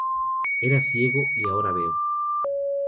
Era ciego, y ahora veo.